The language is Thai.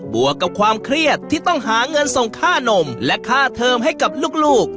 วกกับความเครียดที่ต้องหาเงินส่งค่านมและค่าเทอมให้กับลูก